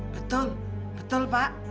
betul betul pak